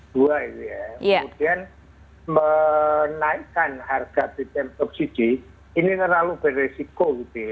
kemudian menaikkan harga bbm subsidi ini terlalu beresiko